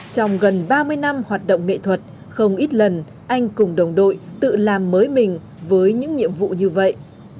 trong gần ba mươi năm hoạt động nghệ thuật không ít lần anh cùng đồng đội tự làm mới mình với những nhiệm vụ như vậy